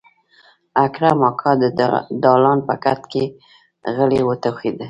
اکرم اکا د دالان په کټ کې غلی وټوخېد.